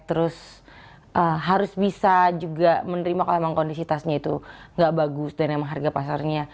terus harus bisa juga menerima kalau emang kondisi tasnya itu nggak bagus dan emang harga pasarnya